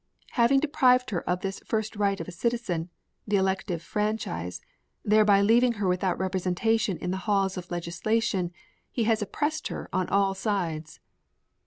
Having deprived her of this first right of a citizen, the elective franchise, thereby leaving her without representation in the halls of legislation, he has oppressed her on all sides.